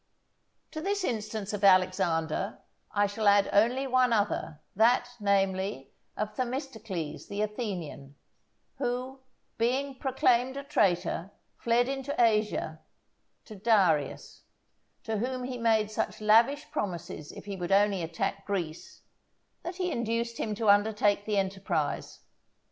To this instance of Alexander I shall add only one other, that, namely, of Themistocles the Athenian, who, being proclaimed a traitor, fled into Asia to Darius, to whom he made such lavish promises if he would only attack Greece, that he induced him to undertake the enterprise.